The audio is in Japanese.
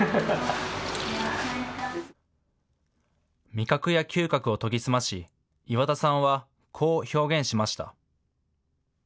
味覚や嗅覚を研ぎ澄まし岩田さんはこう表現しました。